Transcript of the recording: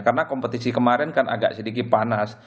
karena kompetisi kemarin kan agak sedikit panas